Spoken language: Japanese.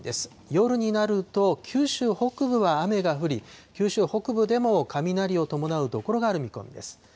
夜になると九州北部は雨が降り、九州北部でも雷を伴う所がある見込みです。